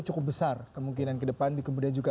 cukup besar kemungkinan ke depan kemudian juga